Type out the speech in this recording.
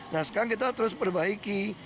nah sekarang kita terus perbaiki